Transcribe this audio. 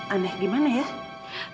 aneh gimana ya